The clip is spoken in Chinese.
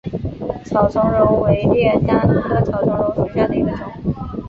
草苁蓉为列当科草苁蓉属下的一个种。